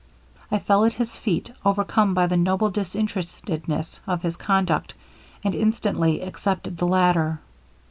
I fell at his feet, overcome by the noble disinterestedness of his conduct, and instantly accepted the latter.